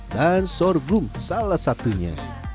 dan sorghum salah satunya